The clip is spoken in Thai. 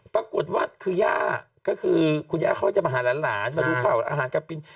ปรากฏว่าคือย่าก็คือคุณย่าเขาจะมาหาหลานมาดูข่าวอาหารกลับกิน